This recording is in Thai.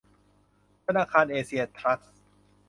ธนาคารเอเชียทรัสต์